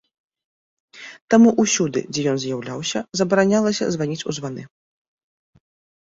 Таму ўсюды, дзе ён з'яўляўся, забаранялася званіць у званы.